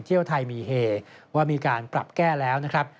เที่ยวไทยมีเฮว่ามีการปรับแก้แล้วนะครับ